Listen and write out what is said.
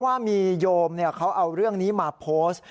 ว่ามีโยมเขาเอาเรื่องนี้มาโพสต์